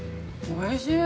◆おいしい？